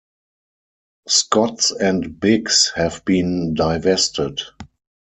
Scotts and Biggs have been divested.